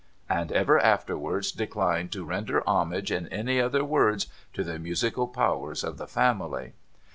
' And ever afterwards declined to render homage in any other words to the musical powers of the family.